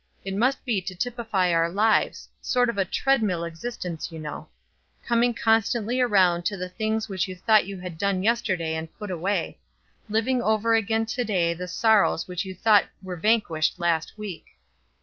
It must be to typify our lives sort of a tread mill existence, you know; coming constantly around to the things which you thought you had done yesterday and put away; living over again to day the sorrows which you thought were vanquished last week.